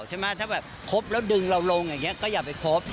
ใช่ไหมถ้าแบบครบแล้วดึงเราลงอย่างนี้ก็อย่าไปคบ